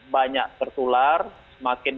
banyak tertular semakin